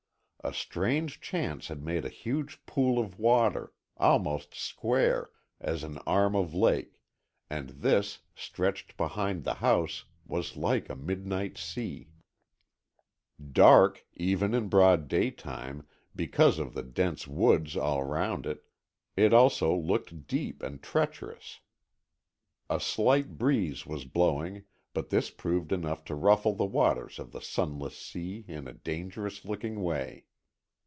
A strange chance had made a huge pool of water, almost square, as an arm of the lake, and this, stretched behind the house, was like a midnight sea. Dark, even in broad daytime, because of the dense woods all round it, it also looked deep and treacherous. A slight breeze was blowing but this proved enough to ruffle the waters of the Sunless Sea in a dangerous looking way.